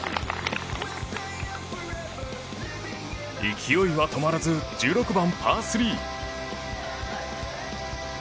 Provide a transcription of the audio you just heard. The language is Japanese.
勢いは止まらず１６番、パー３。